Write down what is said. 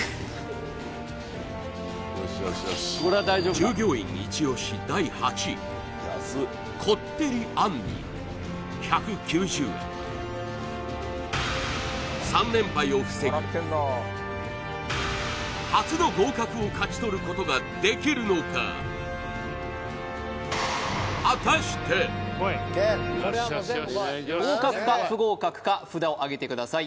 従業員イチ押し第８位３連敗を防ぎ初の合格を勝ち取ることができるのか合格か不合格か札をあげてください